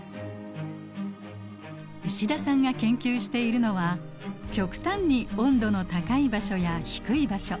石田さんが研究しているのは極端に温度の高い場所や低い場所